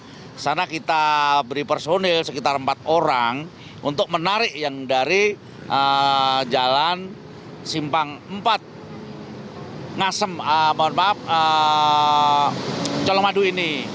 di sana kita beri personil sekitar empat orang untuk menarik yang dari jalan simpang empat ngasem mohon maaf colomadu ini